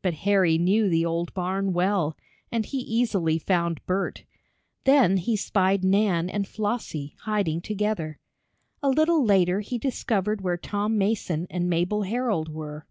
But Harry knew the old barn well, and he easily found Bert. Then he spied Nan and Flossie, hiding together. A little later he discovered where Tom Mason and Mabel Herold were.